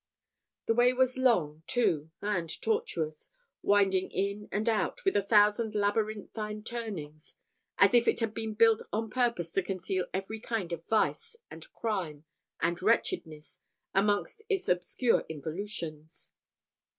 The way was long, too, and tortuous, winding in and out, with a thousand labyrinthine turnings, as if it had been built on purpose to conceal every kind of vice, and crime, and wretchedness, amongst its obscure involutions.